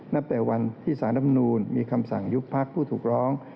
นับแต่วันที่สารนำนูลมีคำสั่งยุบพรรคผู้ถูกร้อง